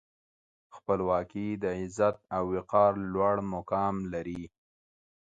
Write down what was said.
خپلواکي د عزت او وقار لوړ مقام لري.